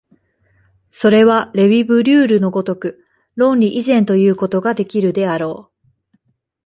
それはレヴィ・ブリュールの如く論理以前ということができるであろう。